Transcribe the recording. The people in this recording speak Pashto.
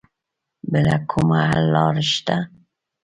بله کومه حل لاره شته